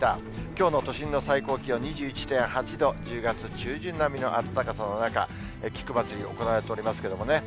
きょうの都心の最高気温２１．８度、１０月中旬並みの暖かさの中、菊まつり、行われておりますけどもね。